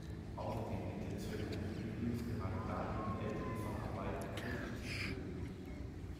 Außerdem liegt der Zweck eines Reviews gerade darin, ältere Facharbeiten kritisch zu würdigen.